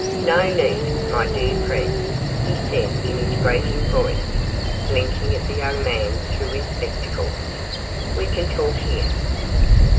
'No need, my dear friend,' he said in his grating voice, blinking at the young man through his spectacles, 'we can talk here.